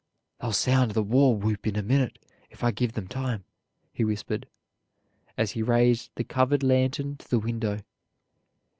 "They'll sound the war whoop in a minute, if I give them time," he whispered, as he raised the covered lantern to the window.